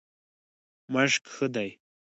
مشق ښه دی.